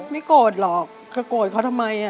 ไม่โกรธหรอกโกรธเขาทำไม